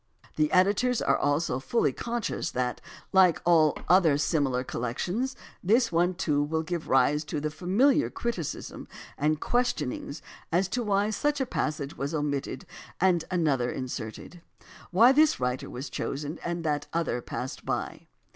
The editors are also fully conscious that, like all other similar col lections, this one, too, will give rise to the familiar criticism and questionings as to why such a passage was omitted and such another inserted; why this writer was chosen and that other passed by.